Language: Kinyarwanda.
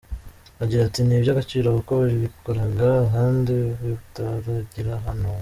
Agira ati “Ni iby’agaciro kuko babikoraga ahandi bitaragera hano.